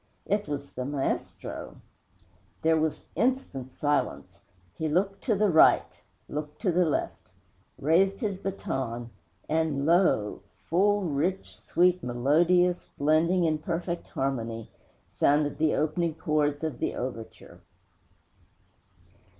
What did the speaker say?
It was the maestro! There was instant silence. He looked to the right; looked to the left; raised his baton; and lo! full, rich, sweet, melodious, blending in perfect harmony, sounded the opening chords of the overture!'